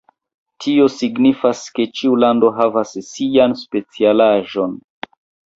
Tio signifas, ke ĉiu lando havas sian specialaĵon.